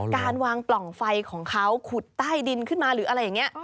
การวางปล่องไฟของเขาขุดใต้ดินขึ้นมาหรืออะไรอย่างนี้